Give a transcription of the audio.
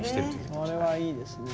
これはいいですね。